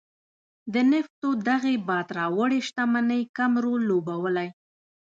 د نفتو دغې باد راوړې شتمنۍ کم رول لوبولی.